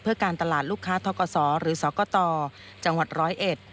เพื่อการตลาดลูกค้าทกศหรือสกตจังหวัดร้อยเอ็ด